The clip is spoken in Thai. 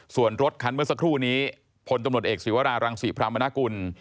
ส่วนรถคันเมื่อสักครู่นี้พลตำรวจเอกศิวรารังศรีพรามนากุล